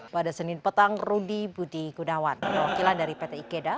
pada senin petang rudi budi gunawan penyokilan dari pt ikaeda